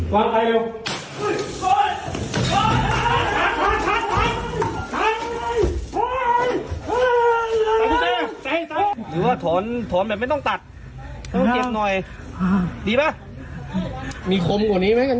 ฟังส่วนใหญ่อีจารย์ทำไมคุณไม่เห็น